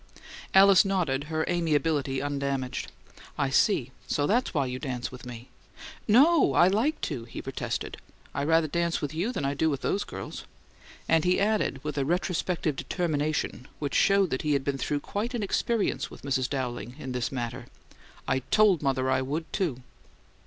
Alice nodded, her amiability undamaged. "I see. So that's why you dance with me." "No, I like to," he protested. "I rather dance with you than I do with those girls." And he added with a retrospective determination which showed that he had been through quite an experience with Mrs. Dowling in this matter. "I TOLD mother I would, too!"